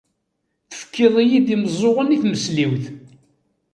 Tefkiḍ-iyi-d imeẓẓuɣen i tmesliwt.